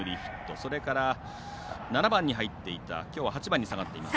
それから、７番に入っていたきょうは８番に下がっています